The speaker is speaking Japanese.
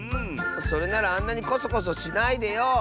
それならあんなにこそこそしないでよ！